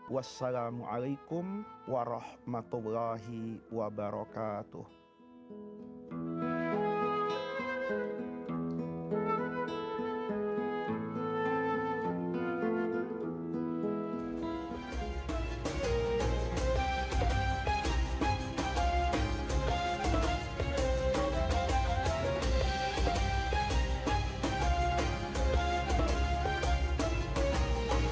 wassalamualaikum warahmatullahi wabarakatuh